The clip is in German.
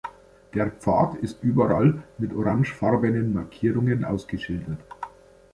Der Pfad ist überall mit orangefarbenen Markierungen ausgeschildert.